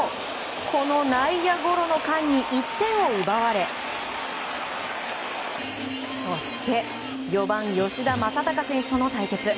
この内野ゴロの間に１点を奪われそして４番、吉田正尚選手との対決。